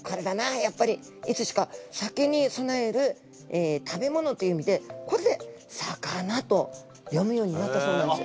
いつしか酒にそなえる食べ物という意味でこれで酒菜と読むようになったそうなんです。